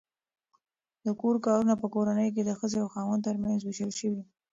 د کور کارونه په کورنۍ کې د ښځې او خاوند ترمنځ وېشل شوي.